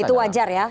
hal yang wajar ya